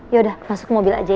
ya udah masuk ke mobil aja ya